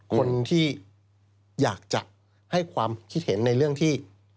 คนที่อยากจะให้ความคิดเห็นในเรื่องที่